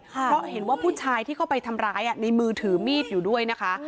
เพราะเห็นว่าผู้ชายที่เข้าไปทำร้ายในมือถือมีดอยู่ด้วยนะคะ